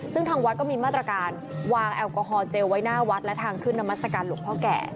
ซึ่งทางวัดก็มีมาตรการวางแอลกอฮอลเจลไว้หน้าวัดและทางขึ้นนามัศกาลหลวงพ่อแก่